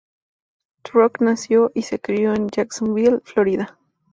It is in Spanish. Trucks nació y se crio en Jacksonville, Florida.